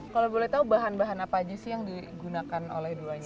kalau boleh tahu bahan bahan apa aja sih yang digunakan oleh duanya